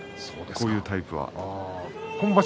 こういうタイプは。